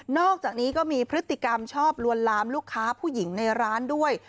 อกจากนี้ก็มีพฤติกรรมชอบลวนลามลูกค้าผู้หญิงในร้านด้วย